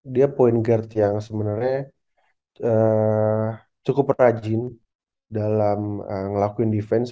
dia point guard yang sebenarnya cukup rajin dalam ngelakuin defense